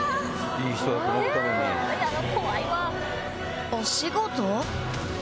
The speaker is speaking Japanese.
いい人だと思ったのに。